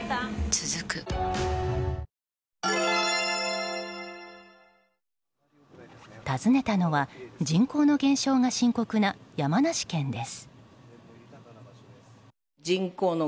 続く訪ねたのは人口の減少が深刻な山梨県です。